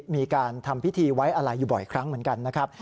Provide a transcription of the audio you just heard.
มีการทำพิธีไว้อะไรอยู่บ่อยครั้งเหมือนกันนะครับ